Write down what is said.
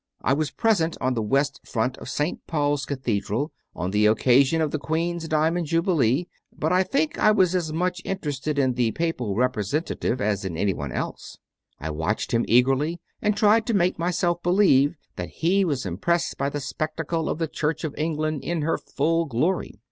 I was present on the west front of St. Paul s Cathedral on the occasion of the Queen s Diamond Jubilee, but I think I was as much interested in the papal representative as in anyone else. I watched him eagerly and tried to make myself believe that he was impressed by the spectacle of the Church of England in her full glory.